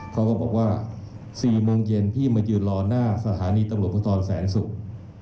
เขาก็บอกว่า๔โมงเย็นพี่มายืนรอหน้าสถานีตำรวจภูทรแสนศุกร์